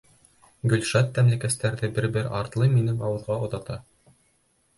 Гөлшат тәмлекәстәрҙе бер-бер артлы минең ауыҙға оҙата.